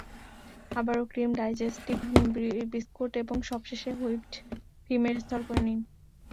আবারও cream, digestive biscuit এবং সবশেষে হুইপড ক্রিমের স্তর করে নিন।